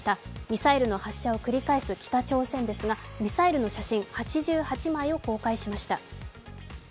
ミサイルの発射を繰り返す北朝鮮ですが、ミサイルの写真、８８枚を公開しました。